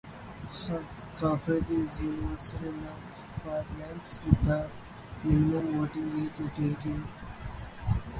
Suffrage is universal in the Falklands, with the minimum voting age at eighteen.